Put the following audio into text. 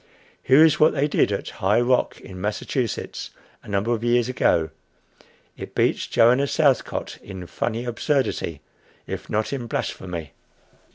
Here is what they did at High Rock, in Massachusetts, a number of years ago. It beats Joanna Southcott in funny absurdity, if not in blasphemy.